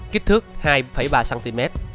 kích thước hai ba cm